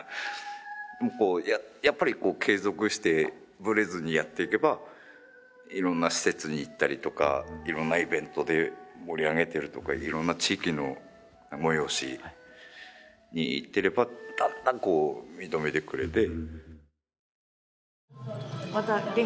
やっぱりこう継続してぶれずにやっていけばいろんな施設に行ったりとかいろんなイベントで盛り上げているとかいろんな地域の催しに行っていればだんだんこう認めてくれて。